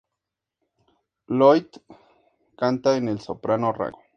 Lloyd canta en el soprano rango.